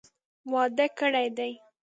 واده کړي دي.